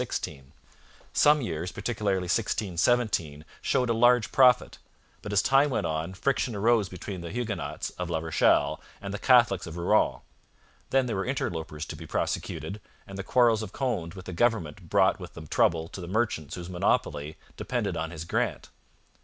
Some years, particularly 1617, showed a large profit, but as time went on friction arose between the Huguenots of La Rochelle and the Catholics of Rouen. Then there were interlopers to be prosecuted, and the quarrels of Conde with the government brought with them trouble to the merchants whose monopoly depended on his grant.